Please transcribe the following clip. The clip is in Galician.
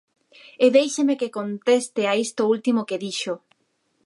E déixeme que conteste a isto último que dixo.